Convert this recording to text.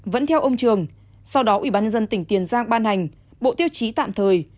vẫn theo ông trường sau đó ubnd tỉnh tiền giang ban hành bộ tiêu chí tạm thời